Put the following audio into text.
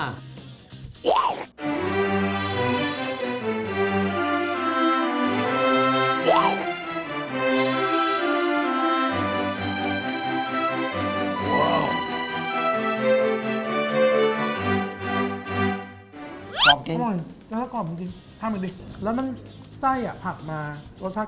อร่อยแล้วก็จริงทำดิแล้วมันไส้อ่ะผักมารสชาติ